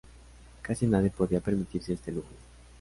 Casi nadie podía permitirse este lujo.